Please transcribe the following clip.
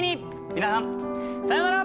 皆さんさようなら！